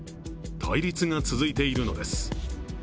対立が続いているのです。